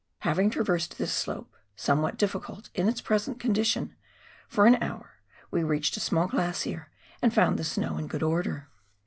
Having traversed this slope — somewhat difficult in its present condition — for an hour, we reached a small glacier, and found the snow in good order.